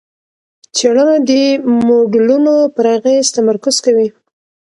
څېړنه د موډلونو پر اغېز تمرکز کوي.